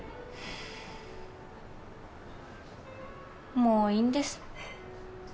もういいんです。